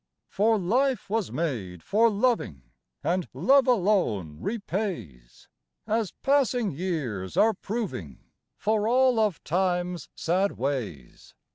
For life was made for loving, and love alone repays, As passing years are proving, for all of Time's sad ways.